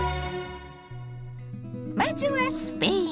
まずはスペイン！